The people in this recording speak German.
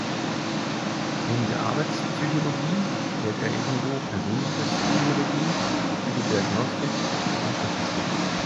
Neben der „Arbeitspsychologie“ lehrte er ebenso Persönlichkeitspsychologie, Psychodiagnostik und Statistik.